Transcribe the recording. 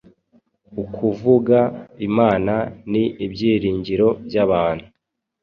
ukuvuga Imana ni ibyiringiro byabantu